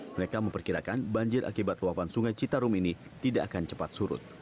mereka memperkirakan banjir akibat luapan sungai citarum ini tidak akan cepat surut